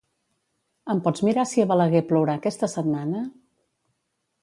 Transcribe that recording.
Em pots mirar si a Balaguer plourà aquesta setmana?